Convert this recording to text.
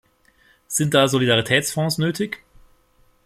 Sind da Solidaritätsfonds nötig?